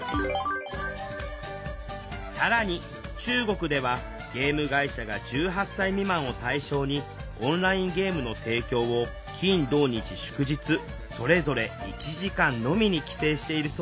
更に中国ではゲーム会社が１８歳未満を対象にオンラインゲームの提供を金土日祝日それぞれ１時間のみに規制しているそうよ